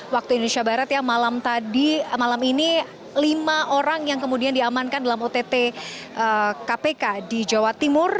waktu indonesia barat ya malam tadi malam ini lima orang yang kemudian diamankan dalam ott kpk di jawa timur